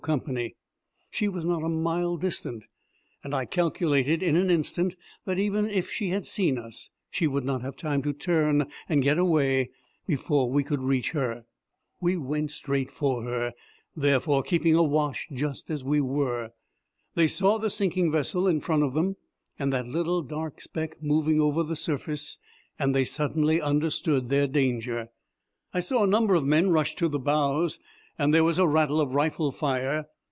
Company. She was not a mile distant, and I calculated in an instant that even if she had seen us she would not have time to turn and get away before we could reach her. We went straight for her, therefore, keeping awash just as we were. They saw the sinking vessel in front of them and that little dark speck moving over the surface, and they suddenly understood their danger. I saw a number of men rush to the bows, and there was a rattle of rifle fire.